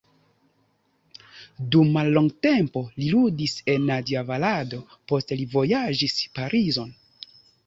Dum mallonga tempo li ludis en Nadjvarado, poste li vojaĝis Parizon.